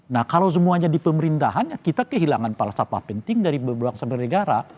nah kalau semuanya di pemerintahan ya kita kehilangan para sapah penting dari beberapa negara